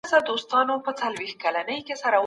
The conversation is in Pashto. زندانیان د انساني چلند حق لري.